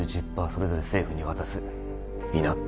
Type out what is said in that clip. それぞれ政府に渡すいいな？